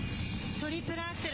トリプルアクセル。